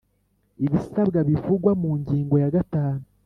ibisabwa bivugwa mu ngingo ya gatanu